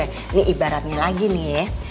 ini ibaratnya lagi nih ya